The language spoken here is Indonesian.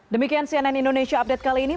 demikian cnn indonesia update kali ini